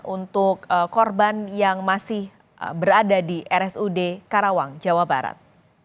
untuk korban yang masih berada di rsud karawang jawa barat